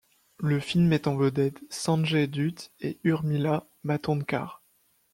Le film met en vedette Sanjay Dutt et Urmila Matondkar.